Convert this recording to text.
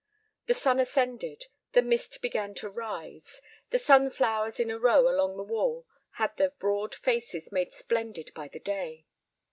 The sun ascended, the mist began to rise, the sunflowers in a row along the wall had their broad faces made splendid by the day.